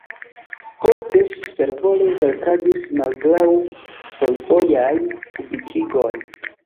Poste ŝi fervore verkadis malgraŭ fojfojaj publikigoj.